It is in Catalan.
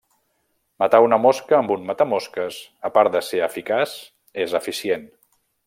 Matar una mosca amb un matamosques, a part de ser eficaç és eficient.